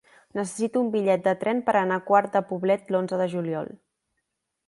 Necessito un bitllet de tren per anar a Quart de Poblet l'onze de juliol.